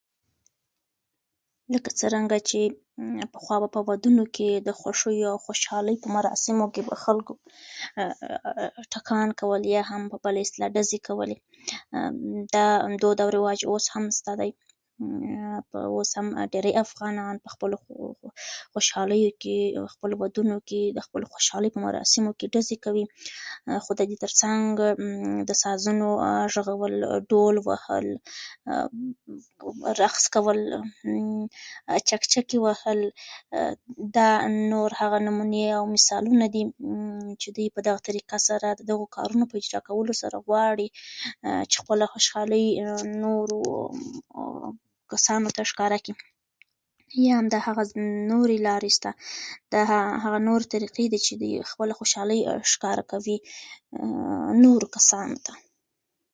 لکه څرنګه چې پخوا به په ودونو کې، د خوښیو او خوشالیو په مراسمو کې، خلک ټکان کول او یا به یې د بلې اصطلاح له مخې ډزې کولې، دا دود او رواج اوس هم شته دی. اوس هم ډېر افغانان په خپلو خوشالیو، ودونو او د خوښۍ په مراسمو کې ډزې کوي. خو د دې تر څنګ د سازونو غږول، رقص کول او چک‌چکې وهل هم هغه مثالونه دي چې دوی ټول سره د دغو کارونو په اجرا کولو غواړي خپله خوشالي نورو ته ښکاره کړي. همدارنګه نورې لارې او طریقې هم شته چې خلک پرې خپله خوشالي نورو کسانو ته څرګندوي.